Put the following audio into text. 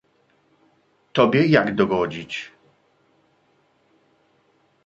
"tobie jak dogodzić?"